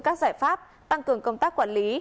các giải pháp tăng cường công tác quản lý